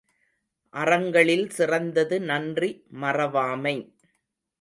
அறங்களில் சிறந்தது நன்றி மறவாமை.